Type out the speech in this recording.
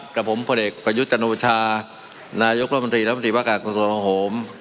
กับผมพระเด็กประยุทธ์จันทรวชานายกรมนธรีรัฐมนตรีประกาศส่วนห่วงโฮม